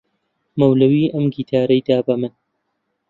مەولەوی ئەم گیتارەی دا بە من.